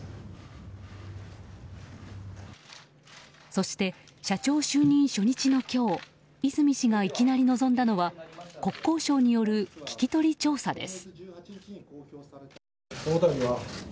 そして社長就任初日の今日和泉市がいきなり臨んだのは国交省による聞き取り調査です。